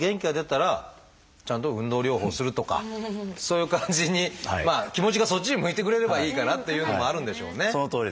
ちゃんと運動療法をするとかそういう感じにまあ気持ちがそっちに向いてくれればいいかなっていうのもあるんでしょうね。